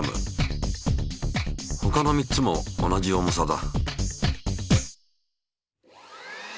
ほかの３つも同じ重さだ。